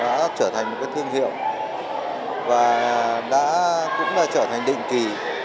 và đã trở thành một cái thiên hiệu và đã cũng là trở thành định kỳ